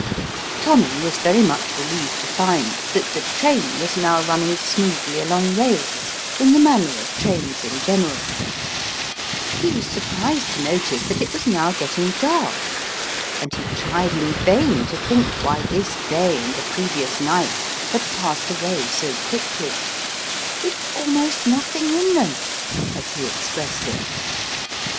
Tommy was very much relieved to find that the train was now running smoothly along rails in the manner of trains in general He was surprised to notice that it was now getting dark, and he tried in vain to think why this day and the previous night had passed away so quickly, " with almost nothing in them/' as he expressed it.